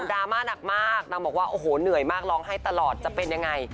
ราม่าหนักมากนางบอกว่าโอ้โหเหนื่อยมากร้องไห้ตลอดจะเป็นยังไง